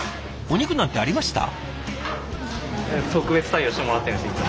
お肉なんてありました？